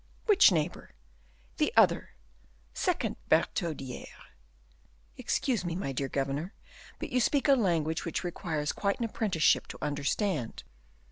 "Which neighbor?" "The other, second Bertaudiere." "Excuse me, my dear governor; but you speak a language which requires quite an apprenticeship to understand."